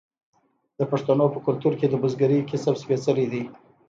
د پښتنو په کلتور کې د بزګرۍ کسب سپیڅلی دی.